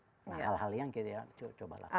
nah hal hal yang kita coba lakukan